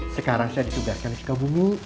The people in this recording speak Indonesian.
sekarang saya ditugaskan sebagai kabungu